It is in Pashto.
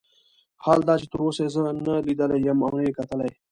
حال دا چې تر اوسه یې زه نه لیدلی یم او نه یې کتلی.